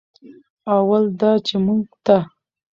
اول دا چې موږ ته